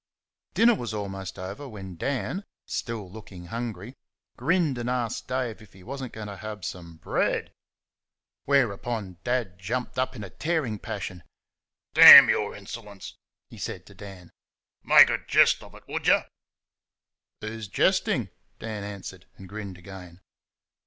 Dinner was almost over when Dan, still looking hungry, grinned and asked Dave if he was n't going to have some BREAD? Whereupon Dad jumped up in a tearing passion. "D n your insolence!" he said to Dan, "make a jest of it, would you?" "Who's jestin'?" Dan answered and grinned again.